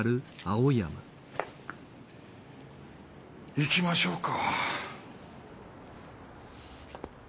行きましょうか。